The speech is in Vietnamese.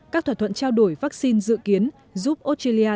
các thỏa thuận trao đổi vaccine dự kiến giúp australia